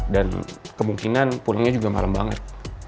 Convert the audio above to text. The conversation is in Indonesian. dan kemungkinan pulangnya juga malam banget